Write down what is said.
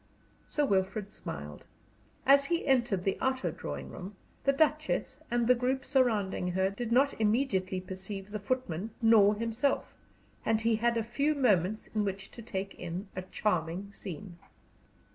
Sir Wilfrid smiled. As he entered the outer drawing room, the Duchess and the group surrounding her did not immediately perceive the footman nor himself, and he had a few moments in which to take in a charming scene.